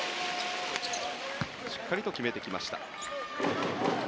しっかりと決めてきました。